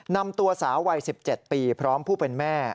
นำตัวสาววัย๑๗ปีพร้อมผู้เป็นแม่